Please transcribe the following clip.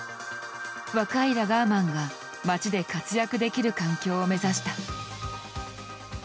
若いラガーマンが町で活躍できる環境を目指した。